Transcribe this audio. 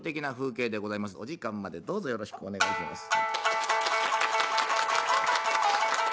お時間までどうぞよろしくお願いします。